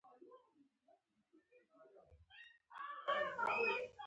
په خپلولو سره ټول پردي په خپلو بدلېږي.